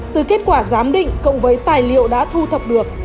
từ kết quả giám định cộng với tài liệu đã thu thập được